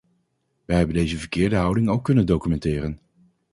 Wij hebben deze verkeerde houding ook kunnen documenteren.